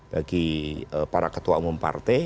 bagi para ketua umum partai